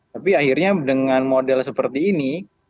tapi akhirnya dengan model seperti ini